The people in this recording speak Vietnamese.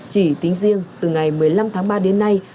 chỉ tính riêng từ ngày một mươi năm tháng ba đến nay